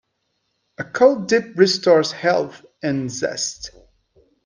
A cold dip restores health and zest.